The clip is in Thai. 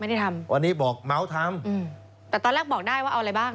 ไม่ได้ทำวันนี้บอกเมาทำอืมแต่ตอนแรกบอกได้ว่าเอาอะไรบ้าง